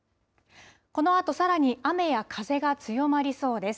このあと、さらに雨や風が強まりそうです。